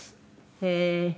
へえ。